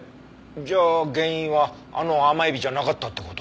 じゃあ原因はあの甘エビじゃなかったって事？